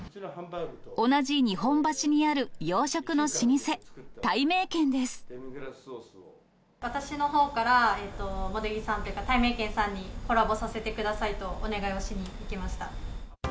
同じ日本橋にある洋食の老舗、私のほうから、茂出木さんというか、たいめいけんさんに、コラボさせてくださいとお願いをしに行きました。